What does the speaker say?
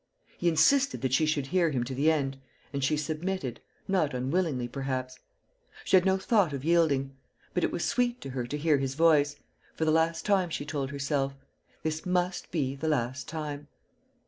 He insisted that she should hear him to the end, and she submitted, not unwillingly, perhaps. She had no thought of yielding; but it was sweet to her to hear his voice for the last time, she told herself; this must be the last time.